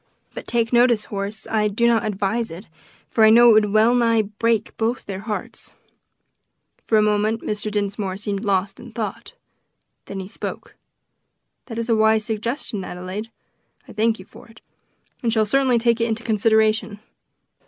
But take notice, Horace, I do not advise it, for I know it would wellnigh break both their hearts." For a moment Mr. Dinsmore seemed lost in thought. Then he spoke: "That is a wise suggestion, Adelaide. I thank you for it, and shall certainly take it into consideration.